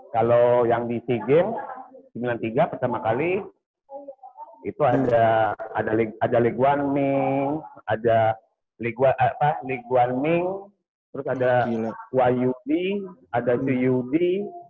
kalau yang di sijin seribu sembilan ratus sembilan puluh tiga pertama kali itu ada liguan ming ada yudi ada suyudi